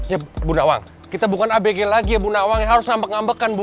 ya bu nawang kita bukan abg lagi ya bu nawangnya harus ngambek ngambekan bu